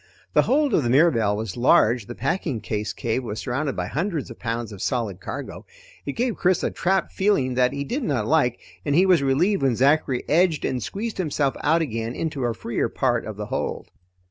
The hold of the Mirabelle was large, the packing case cave was surrounded by hundreds of pounds of solid cargo. It gave Chris a trapped feeling that he did not like, and he was relieved when Zachary edged and squeezed himself out again into a freer part of the hold.